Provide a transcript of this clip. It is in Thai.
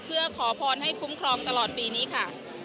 เพื่อขอพรให้คุ้มครองตลอดปีนี้ค่ะ